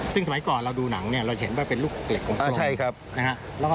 ซึ่งสมัยก่อนเราดูหนังเนี่ยเราจะเห็นว่าเป็นลูกเหล็กกลมอ่าใช่ครับนะฮะ